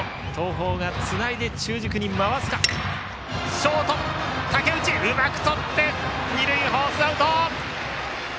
ショート、竹内うまくとって二塁、フォースアウト！